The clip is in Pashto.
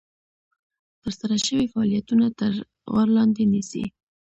ترسره شوي فعالیتونه تر غور لاندې نیسي.